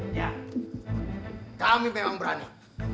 iya kami memang berani